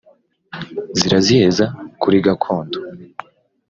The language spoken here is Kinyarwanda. Ziraziheza kuri gakondo